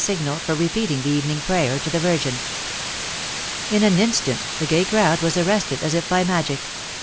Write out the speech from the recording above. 299 signal for repeating the evening prayer to the Virgin. In an instant the gay crowd was arrested as if by magic.